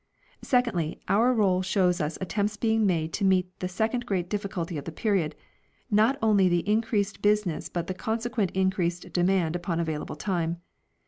1 Secondly, our roll shows us attempts being made to meet the second great difficulty of the period not only the increased business but the consequent increased demand upon available time.